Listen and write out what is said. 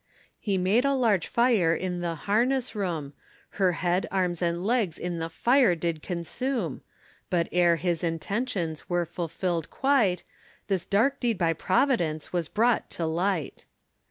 He made a large fire in the harness room, Her head, arms, and legs in the fire did consume, But e'er his intentions were fulfilled quite, This dark deed by Providence was brought to light.